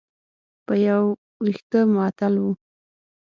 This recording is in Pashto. په یو وېښته معطل و.